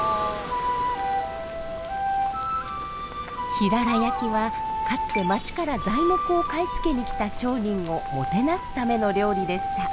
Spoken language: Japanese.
「ひらら焼き」はかつて町から材木を買い付けに来た商人をもてなすための料理でした。